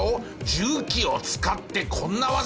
重機を使ってこんな技！